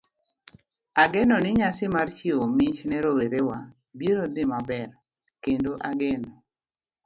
Ageno ni nyasi mar chiwo mich ne rowerewa biro dhi maber, kendo ageno